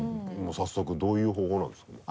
早速どういう方法なんですか？